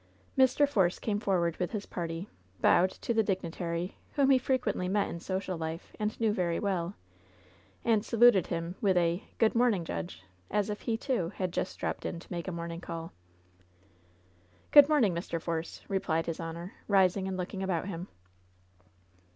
Mr. Force came forward with his party, bowed to the dignitary, whom he frequently met in social life and knew very well, and saluted him with a — ^^Good morning, judge," as if he, too, had just dropped in to make a morning call. "Good morning, Mr. Force," replied his honor, rising and looking about him.